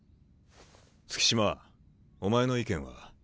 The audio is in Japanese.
月島お前の意見は？